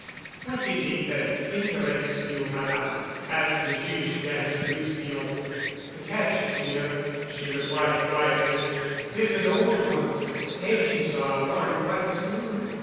"What is it that interests you, Madame?" asked the Juge d'Instruction. "The catch, Monsieur," she replied quietly. "It is an old one. The edges are worn quite smooth."